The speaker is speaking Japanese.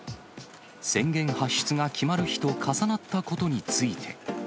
宣言発出が決まる日と重なったことについて。